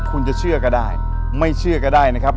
คุณจะเชื่อก็ได้ไม่เชื่อก็ได้นะครับ